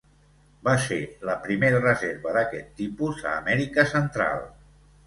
Va ser la primera reserva d'aquest tipus a Amèrica Central.